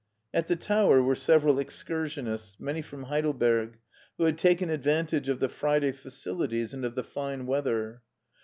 At the tower were several excursionists, many from Heidelberg, who had taken advantage of the Friday facilities and of the fine weather.